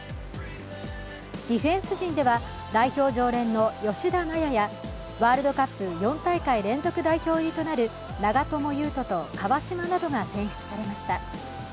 ディフェンス陣では代表常連の吉田麻也やワールドカップ４大会連続代表入りとなる長友佑都と、川島などが選出されました。